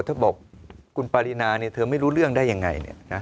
ถ้าบอกคุณปรินาเนี้ยเธอไม่รู้เรื่องได้ยังไงเนี้ยนะ